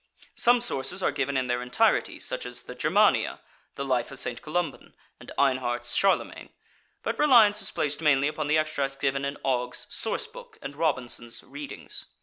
Some sources are given in their entirety, such as the "Germania," the "Life of St. Columban," and Einhard's "Charlemagne"; but reliance is placed mainly upon the extracts given in Ogg's "Source Book" and Robinson's "Readings."